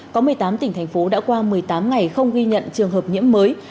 có một mươi tám tỉnh thành phố đã qua một mươi tám ngày không ghi nhận trường hợp nhiễm mới